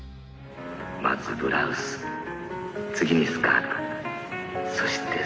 まずブラウス次にスカートそしてスリップ。